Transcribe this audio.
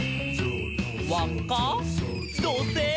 「わっか？どせい！」